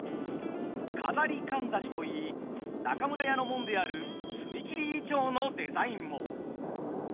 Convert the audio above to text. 錺かんざしと言い中村屋の紋である角切銀杏のデザインも。